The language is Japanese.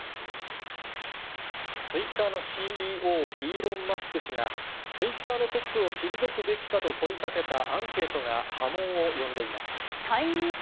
ツイッターのＣＥＯ、イーロン・マスク氏が、ツイッターのトップを退くべきかと問いかけたアンケートが波紋を呼んでいます。